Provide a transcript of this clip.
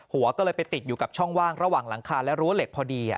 หัวก็เลยไปติดอยู่กับช่องว่างระหว่างหลังคาและรั้วเหล็กพอดี